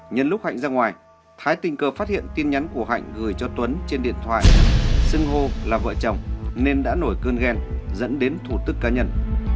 nhân lúc hạnh ra ngoài thái tình cờ phát hiện tin nhắn của hạnh gửi cho tuấn trên điện thoại xưng hô là vợ chồng nên đã nổi cơn ghen dẫn đến thủ tức cá nhân